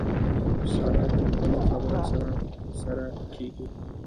ساره تل په نه خبره سره سره کېږي.